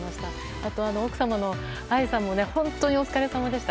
あと、奥様の愛さんも本当にお疲れさまでした。